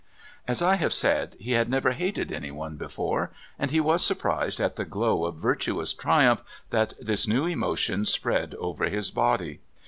As I have said, he had never hated anyone before, and he was surprised at the glow of virtuous triumph that this new emotion spread over his body.